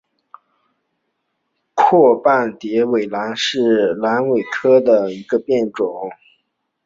阔瓣鸢尾兰为兰科鸢尾兰属下的一个种。